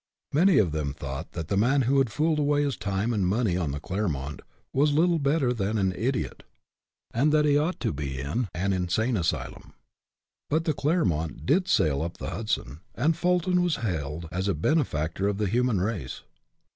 Many of them thought that the man who had fooled away his time and money on the "Clermont" was little better than an idiot, and that he ought to be in an insane asylum. But the " Clermont " did sail up the Hudson, and Fulton was hailed as a bene factor of the human race.